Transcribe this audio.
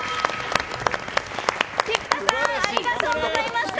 菊田さんありがとうございました。